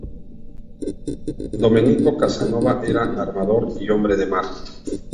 Domenico Casanova era armador y hombre de mar.